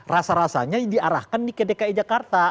rasa rasanya diarahkan ke dki jakarta